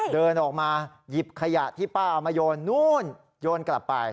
เดินออกมาหยิบขยะที่ป้าเอามาโยนนู่นโยนกลับไป